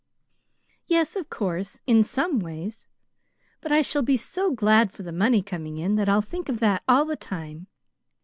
"Yes, of course, in some ways. But I shall be so glad for the money coming in that I'll think of that all the time.